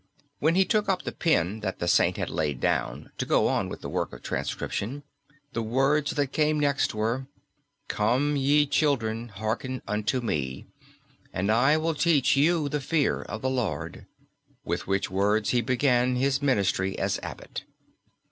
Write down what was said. When he took up the pen that the Saint had laid down to go on with the work of transcription, the words that came next were, "Come ye children, hearken unto me, and I will teach you the fear of the Lord," with which words he began his ministry as abbot.